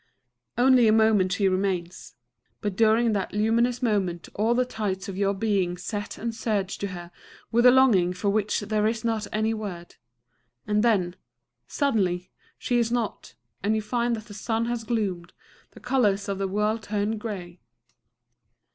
Only a moment she remains; but during that luminous moment all the tides of your being set and surge to her with a longing for which there is not any word. And then suddenly! she is not; and you find that the sun has gloomed, the colors of the world turned grey.